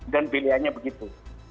dan pilihannya begitu